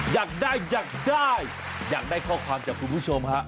อยากได้อยากได้อยากได้ข้อความจากคุณผู้ชมฮะ